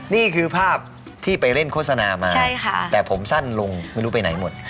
นี่คือภาพที่ไปเล่นโฆษณามาแต่ผมสั้นลงไม่รู้ไปไหนหมด